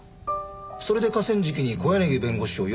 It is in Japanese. それで河川敷に小柳弁護士を呼び出した。